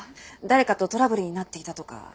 誰かとトラブルになっていたとか。